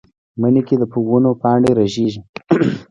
مني کې د ونو پاڼې رژېږي